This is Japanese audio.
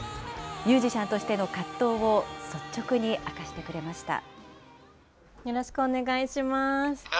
ミュージシャンとしての葛藤を率直に明かしてくれました。